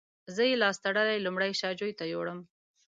زه یې لاس تړلی لومړی شا جوی ته یووړم.